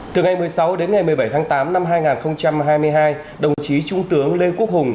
từ ngày một mươi sáu đến ngày một mươi bảy tháng tám năm hai nghìn hai mươi hai đồng chí trung tướng lê quốc hùng